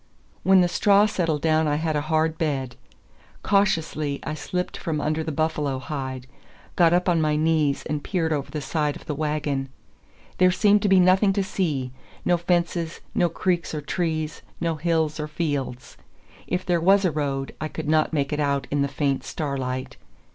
When the straw settled down I had a hard bed. Cautiously I slipped from under the buffalo hide, got up on my knees and peered over the side of the wagon. There seemed to be nothing to see; no fences, no creeks or trees, no hills or fields. If there was a road, I could not make it out in the faint starlight.